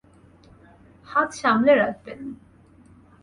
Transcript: হাত সামলে রাখবেন।